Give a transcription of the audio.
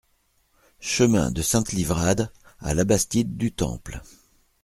Chemin de Sainte-Livrade à Labastide-du-Temple